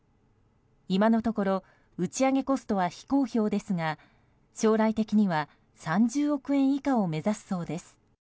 今のところ打ち上げコストは非公表ですが将来的には３０億円以下を目指すそうです。